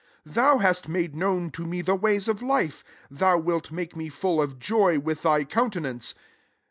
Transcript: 28 Thou hast made known to me the ways of life ; thou wilt make me full of joy with thy coun tenance.'